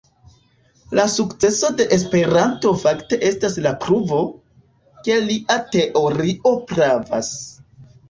La sukceso de Esperanto fakte estas la pruvo, ke lia teorio pravas.